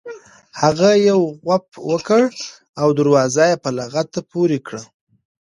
هغه یو غوپ وکړ او دروازه یې په لغته پورې کړه.